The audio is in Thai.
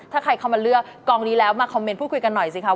ถ้าใครเข้ามาเลือกกองนี้แล้วมาคอมเมนต์พูดคุยกันหน่อยสิคะ